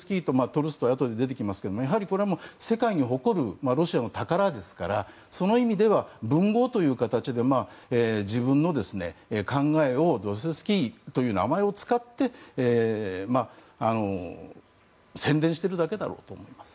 これはあとに出てきますがこれは世界に誇るロシアの宝ですからその意味では文豪という形で自分の考えをドストエフスキーという名前を使って宣伝しているだけだろうと。